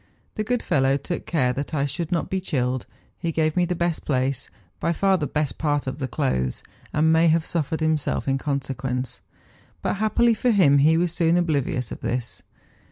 The good fellow took care that I should not be chilled; he gave me the best place, by far the best part of the clothes, and may have suffered himself in con¬ sequence ; but happily for him he was soon oblivious of this.